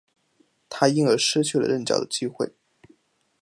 他因而失去了任教的机会。